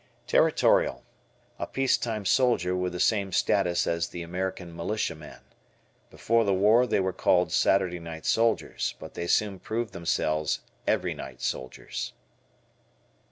Territorial. A peace time soldier with the same status as the American militiaman. Before the war they were called "Saturday Night Soldiers," but they soon proved themselves "every night soldiers."